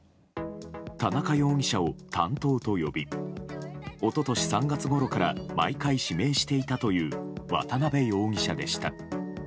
田中容疑者を担当と呼び一昨年３月ごろから毎回指名していたという渡辺容疑者でした。